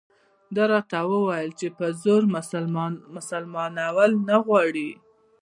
ده راته وویل چې په زور مسلمانول نه غواړي.